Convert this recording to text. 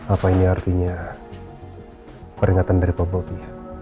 apa ini artinya peringatan dari pak bobi